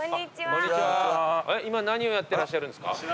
今何をやってらっしゃるんですか？